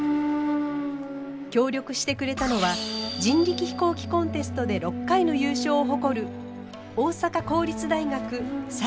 協力してくれたのは人力飛行機コンテストで６回の優勝を誇る大阪公立大学堺・風車の会。